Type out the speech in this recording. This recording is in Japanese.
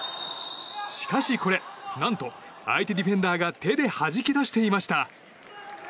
しかしこれ、何と相手ディフェンダーが手ではじき出していました。